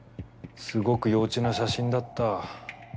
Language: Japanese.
すごく幼稚な写真だった。